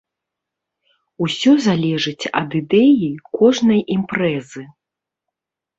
Усё залежыць ад ідэі кожнай імпрэзы.